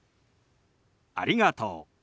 「ありがとう」。